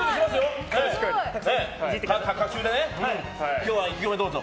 今日の意気込みをどうぞ。